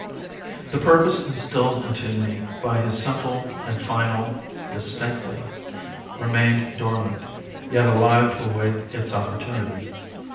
The purpose instilled into me by his simple and final "Distinctly" remained dormant, yet alive to await its opportunity.